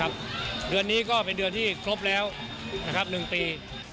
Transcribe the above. ครับเดือนนี้ก็เป็นเดือนที่ครบแล้วนะครับหนึ่งปี